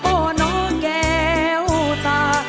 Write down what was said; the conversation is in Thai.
โอ้หนอแก้วตา